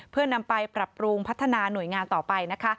เพื่อนำไปปรับปรุงพัฒนาหน่วยงานต่อไปนะคะ